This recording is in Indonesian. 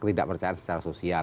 jadi tidak percaya secara sosial